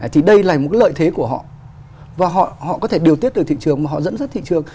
thì đây là một lợi thế của họ và họ có thể điều tiết được thị trường mà họ dẫn dắt thị trường